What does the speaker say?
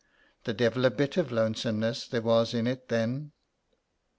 The devil a bit of lonesomeness there was in it then.